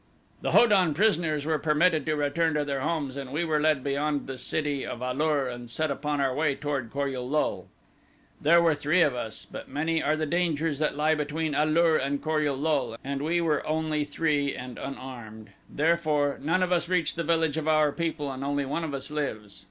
"The Ho don prisoners were permitted to return to their homes and we were led beyond the City of A lur and set upon our way toward Kor ul lul. There were three of us, but many are the dangers that lie between A lur and Kor ul lul and we were only three and unarmed. Therefore none of us reached the village of our people and only one of us lives.